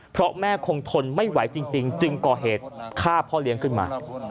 เพราะแม่คงทนไม่ไหวจริงจึงก่อเหตุฆ่าพ่อเลี้ยงขึ้นมา